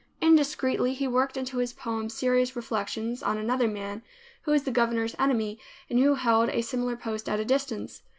Indiscreetly he worked into his poem serious reflections on another man who was the governor's enemy and who held a similar post at a distance.